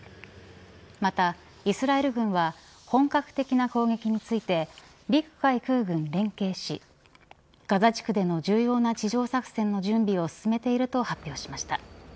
また、イスラエル軍は本格的な攻撃について陸海空軍、連携しガザ地区での重要な地上作戦の準備を進めていると発表しました。